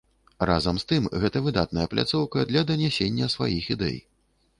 Разам з тым, гэта выдатная пляцоўка для данясення сваіх ідэй.